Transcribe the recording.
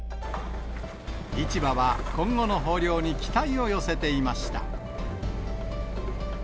市場は今後の豊漁に期待を寄せていました。